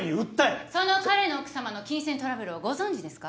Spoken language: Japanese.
その彼の奥さまの金銭トラブルをご存じですか？